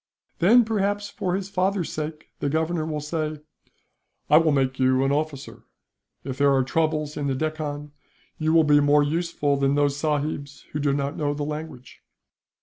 "'Then, perhaps for his father's sake, the Governor will say: "'"I will make you an officer. If there are troubles in the Deccan, you will be more useful than those sahibs who do not know the language."'